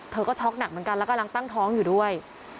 เธอก็ช็อกหนักเหมือนกันแล้วกำลังตั้งท้องอยู่ด้วย